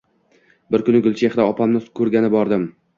Bir kuni Gulchehra opamni ko`rgani bordim